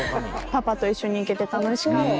パパと一緒に行けて楽しかった。